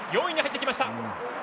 ４位に入ってきました。